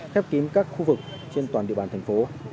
khép kín các khu vực trên toàn địa bàn thành phố